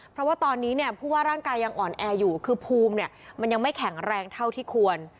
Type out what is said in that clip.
เพราะว่าตอนนี้เนี่ยผู้ว่าร่างกายยังอ่อนแออยู่คือภูมิเนี่ยมันยังไม่แข็งแรงเท่าที่ควร